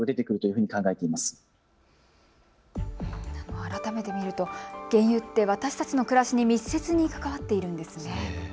改めて見ると原油って私たちの暮らしに密接に関わっているんですね。